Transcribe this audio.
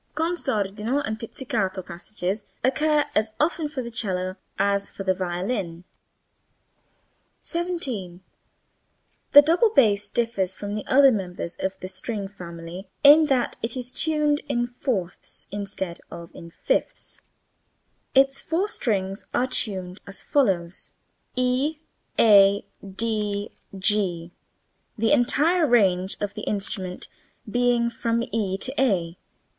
Con sordino and pizzicato passages occur as often for the cello as for the violin. 17. The double bass differs from the other members of the string family in that it is tuned in fourths instead of in fifths. Its four strings are tuned as follows [Illustration: EE AA D G] the entire range of the instrument being from EE to a.